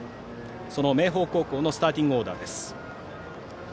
その明豊高校のスターティングオーダーです。